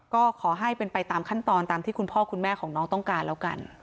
ก็ขอให้เป็นไปตามขั้นตอนตามที่คุณพ่อคุณแม่ของน้องต้องการแล้วกัน